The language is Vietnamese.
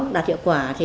đã có hiệu quả